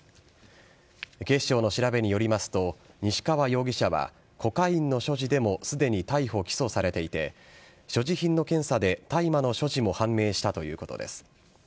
警視庁の調べによりますと西川容疑者はコカインの所持でもすでに逮捕、起訴されていて所持品の検査で大麻の所持も判明したということです。